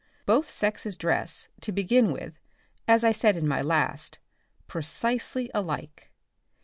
Both sexes dress, to begin with, as I said in my last, pre cisely alike.